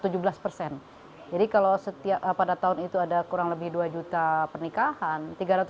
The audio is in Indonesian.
jadi kalau pada tahun itu ada kurang lebih dua juta pernikahan